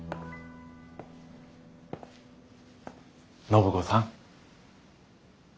暢子さん。